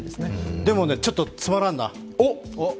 でも、ちょっとつまらんな。